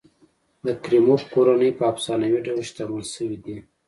د کریموف کورنۍ په افسانوي ډول شتمن شوي دي.